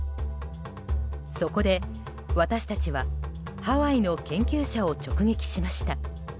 そこで私たちはハワイの研究者を直撃しました。